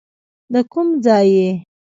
د کوم ځای یې.